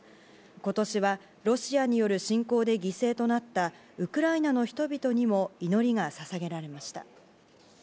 今年はロシアによる侵攻で犠牲となったウクライナの人々にも祈りがささげられました。